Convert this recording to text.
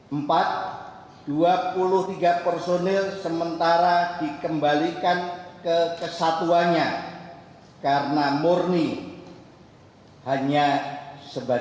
empat dua puluh tiga personil sementara dikembalikan ke kesatuannya karena murni hanya sebagai